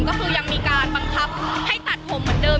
ก็คือยังมีการบังคับให้ตัดผมเหมือนเดิม